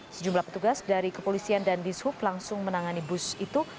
sejumlah petugas dari kepolisian dan dishub langsung menangani bus itu